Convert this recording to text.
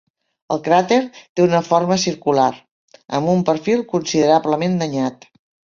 El cràter té una forma circular, amb un perfil considerablement danyat.